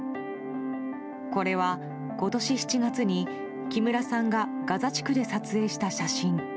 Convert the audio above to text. これは、今年７月に木村さんがガザ地区で撮影した写真。